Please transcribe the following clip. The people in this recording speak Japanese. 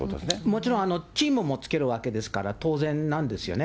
もちろん、チームもつけるわけですから、当然なんですよね。